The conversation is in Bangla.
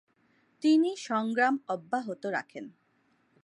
তিনি সংগ্রাম অব্যাহত রাখেন।